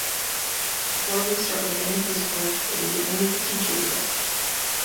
Before we start with any physical activity, I need to teach you a bit.